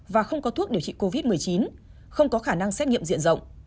và không có thuốc điều trị covid một mươi chín không có khả năng xét nghiệm diện rộng